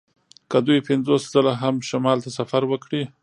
که دوی پنځوس ځله هم شمال ته سفر وکړي